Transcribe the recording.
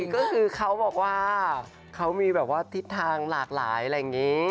ก็คือเขาบอกว่าเขามีแบบว่าทิศทางหลากหลายอะไรอย่างนี้